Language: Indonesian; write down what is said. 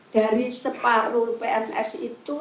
dari separuh pns itu